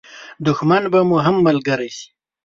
دښمن به مو هم ملګری شي.